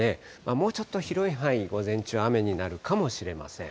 もうちょっと広い範囲、午前中、雨になるかもしれません。